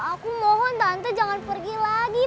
aku mohon tante jangan pergi lagi